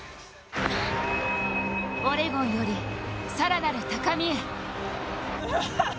オレゴンより更なる高みへ。